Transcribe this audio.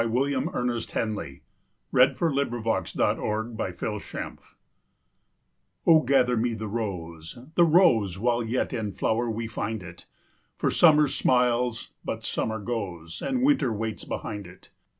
William Ernest Henley O Gather Me the Rose O GATHER me the rose, the rose, While yet in flower we find it, For summer smiles, but summer goes, And winter waits behind it.